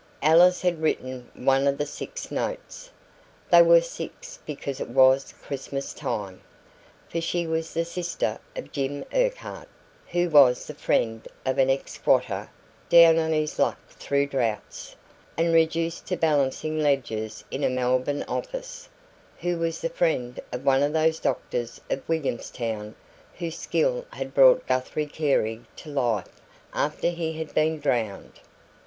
Alice had written one of the six notes (they were six because it was Christmas time), for she was the sister of Jim Urquhart, who was the friend of an ex squatter down on his luck through droughts, and reduced to balancing ledgers in a Melbourne office, who was the friend of one of those doctors of Williamstown whose skill had brought Guthrie Carey to life after he had been drowned.